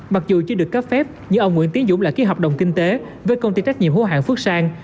mặc dù chưa được cấp phép nhưng ông nguyễn tiến dũng lại ký hợp đồng kinh tế với công ty trách nhiệm hữu hạng phước sang